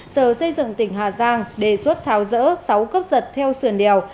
sở xây dựng tỉnh hà giang đề xuất tháo rỡ sáu cấp giật theo sườn đèo